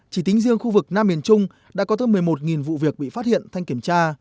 chỉ tính riêng khu vực nam miền trung đã có tới một mươi một vụ việc bị phát hiện thanh kiểm tra